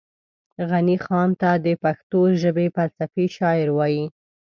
غني خان ته دا پښتو ژبې فلسفي شاعر وايي